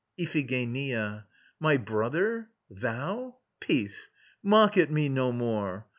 IPHIGENIA. My brother? Thou? ... Peace! Mock at me no more.